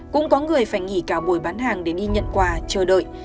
cũng có người phải nghỉ cả buổi bán hàng để đi nhận quà chờ đợi